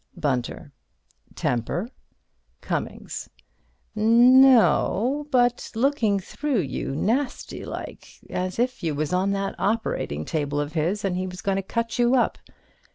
Bunter: Temper? Cummings: No o o—but looking through you, nasty like, as if you was on that operating table of his and he was going to cut you up.